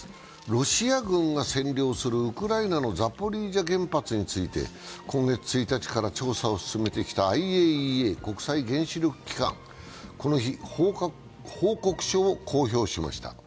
ロシア軍が占領するウクライナのザポリージャ原発について、今月１日から調査を進めてきたＩＡＥＡ＝国際原子力機関、この日、報告書を公表しました。